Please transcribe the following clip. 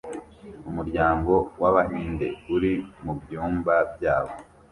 Umuryango wAbahinde uri mubyumba byabo